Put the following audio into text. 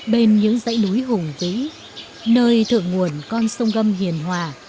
bên những dãy núi hùng vĩ nơi thượng nguồn con sông gâm hiền hòa